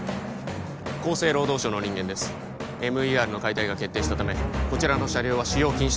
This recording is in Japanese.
厚生労働省の人間ですＭＥＲの解体が決定したためこちらの車両は使用禁止となりますふざけるな時間がない！